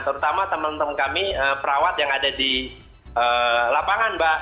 terutama teman teman kami perawat yang ada di lapangan mbak